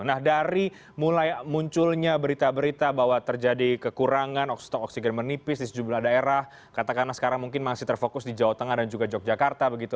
nah dari mulai munculnya berita berita bahwa terjadi kekurangan stok oksigen menipis di sejumlah daerah katakanlah sekarang mungkin masih terfokus di jawa tengah dan juga yogyakarta begitu